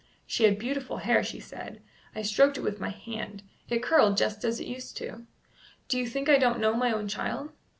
"She had beautiful hair," she said; "I stroked it with my hand; it curled just as it used to do. Do you think I don't know my own child?